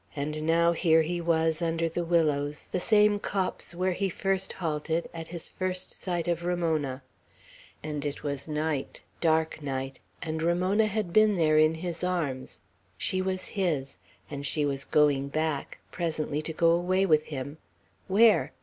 And now here he was, under the willows, the same copse where he first halted, at his first sight of Ramona; and it was night, dark night, and Ramona had been there, in his arms; she was his; and she was going back presently to go away with him, where!